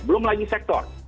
belum lagi sektor